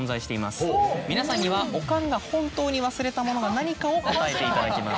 皆さんにはおかんが本当に忘れたものが何かを答えていただきます。